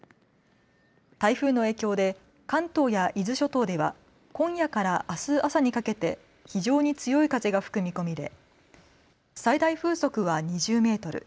台風の影響で関東や伊豆諸島では今夜から明日朝にかけて非常に強い風が吹く見込みで最大風速は２０メートル